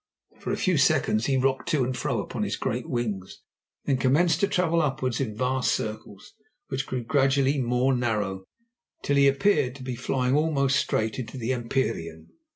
For a few seconds he rocked to and fro upon his great wings, then commenced to travel upwards in vast circles, which grew gradually more narrow, till he appeared to be flying almost straight into the empyrean.